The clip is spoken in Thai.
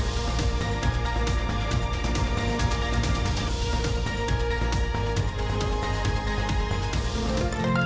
สวัสดีค่ะ